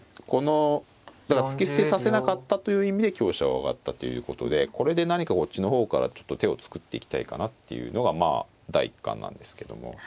このだから突き捨てさせなかったという意味で香車を上がったということでこれで何かこっちの方からちょっと手を作っていきたいかなっていうのがまあ第一感なんですけども。